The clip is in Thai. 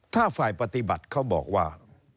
ถ้าฝ่ายปฏิบัติเขาบอกว่า